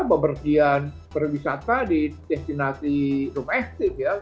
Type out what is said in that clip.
pemberhentian perwisata di destinasi domestik ya